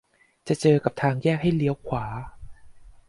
จะเจอกับทางแยกให้เลี้ยวขวา